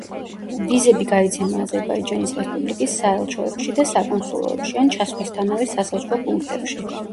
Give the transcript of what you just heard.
ვიზები გაიცემა აზერბაიჯანის რესპუბლიკის საელჩოებში და საკონსულოებში ან ჩასვლისთანავე სასაზღვრო პუნქტებში.